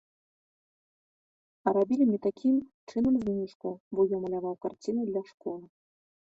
Рабілі мне такім чынам зніжку, бо я маляваў карціны для школы.